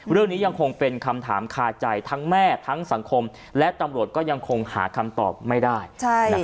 เรื่องนี้ยังคงเป็นคำถามคาใจทั้งแม่ทั้งสังคมและตำรวจก็ยังคงหาคำตอบไม่ได้